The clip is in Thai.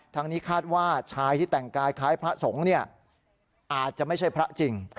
ทางนี้คาดว่าชายที่แต่งกายคล้ายพระสงฆ์อาจจะไม่ใช่พระจริง